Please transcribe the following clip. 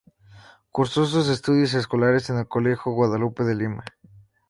Cursó sus estudios escolares en el Colegio Guadalupe de Lima.